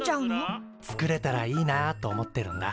つくれたらいいなあと思ってるんだ。